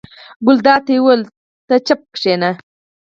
ګلداد ته یې وویل: ته غلی کېنه.